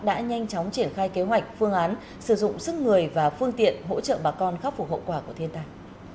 đã nhanh chóng triển khai kế hoạch phương án sử dụng sức người và phương tiện hỗ trợ bà con khắc phục hậu quả của thiên tai